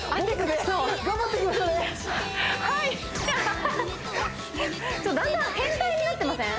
だんだん変態になってません？